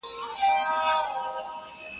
مېله ماته، غول ئې پاته.